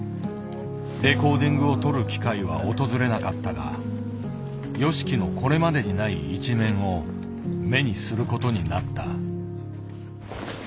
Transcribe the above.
レコーディングを撮る機会は訪れなかったがＹＯＳＨＩＫＩのこれまでにない一面を目にすることになった。